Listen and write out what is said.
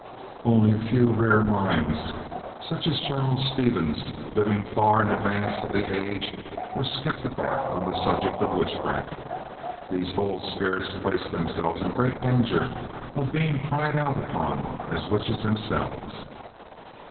Only a few rare minds, such as Charles Stevens, living far in advance of the age, were skeptical on the subject of witchcraft. These bold spirits placed themselves in great danger of being "cried out upon" as witches themselves.